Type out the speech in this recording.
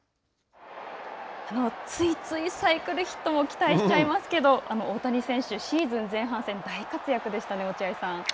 ついついサイクルヒットも期待しちゃいますけど、大谷選手、シーズン前半戦大活躍でしたね、落合さん。